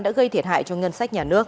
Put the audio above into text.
đã gây thiệt hại cho ngân sách nhà nước